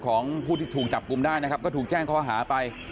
ของผู้ที่ถูกจับกลุ่มได้ที่ถูกแจ้งโอ้โห้หาไป